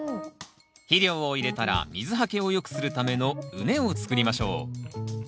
肥料を入れたら水はけを良くするための畝を作りましょう。